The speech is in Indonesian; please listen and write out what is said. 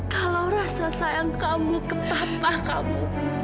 kalau rasa sayang kamu ke papa kamu